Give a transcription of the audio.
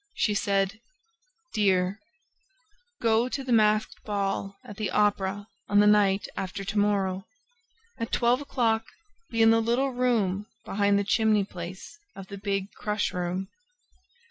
She said: DEAR: Go to the masked ball at the Opera on the night after to morrow. At twelve o'clock, be in the little room behind the chimney place of the big crush room.